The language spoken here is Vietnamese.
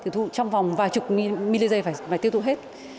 trong vòng vài chục millisie phải tiêu thụ hết